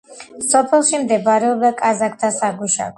სოფელში მდებარეობდა კაზაკთა საგუშაგო.